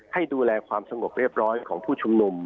ให้ดูแลความสงบเรียบร้อยของผู้ชุมนุม